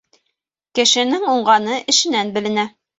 Кешенең уңғаны эшенән беленә